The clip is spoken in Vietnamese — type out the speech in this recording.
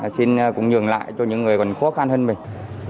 xin cũng nhường lại cho những người còn khó khăn hơn mình